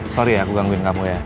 sorry ya aku gangguin kamu ya